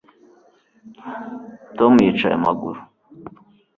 Tom yicaye amaguru